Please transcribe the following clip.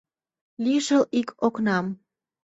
Лишыл ик окнам.